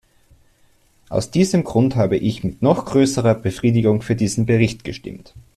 Aus diesem Grund habe ich mit noch größerer Befriedigung für diesen Bericht gestimmt.